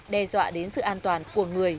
đe dọa đến sự an toàn của người